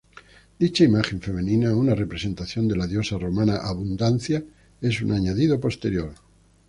Dicha imagen femenina, una representación de la diosa romana Abundancia, es un añadido posterior.